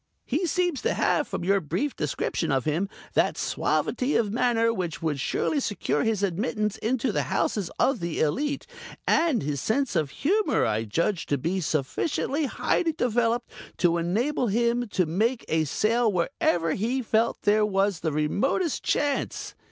He seems to have, from your brief description of him, that suavity of manner which would surely secure his admittance into the houses of the elite, and his sense of humor I judge to be sufficiently highly developed to enable him to make a sale wherever he felt there was the remotest chance.